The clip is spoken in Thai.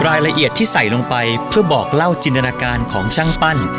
รายละเอียดที่ใส่ลงไปเพื่อบอกเล่าจินตนาการของช่างปั้น